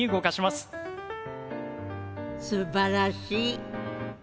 すばらしい。